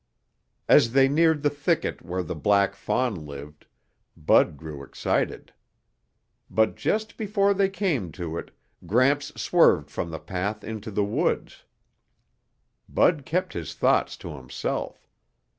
As they neared the thicket where the black fawn lived, Bud grew excited. But just before they came to it, Gramps swerved from the path into the woods. Bud kept his thoughts to himself.